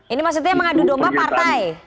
ini maksudnya mengadu domba partai